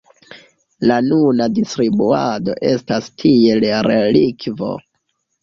La nuna distribuado estas tiele relikvo.